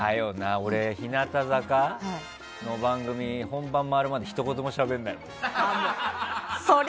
俺、日向坂の番組本番回るまでひと言もしゃべらないもんな。